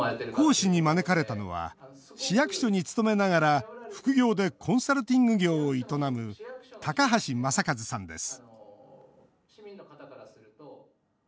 講師に招かれたのは市役所に勤めながら副業でコンサルティング業を営む高橋正和さんです